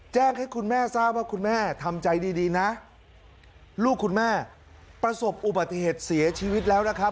ให้คุณแม่ทราบว่าคุณแม่ทำใจดีดีนะลูกคุณแม่ประสบอุบัติเหตุเสียชีวิตแล้วนะครับ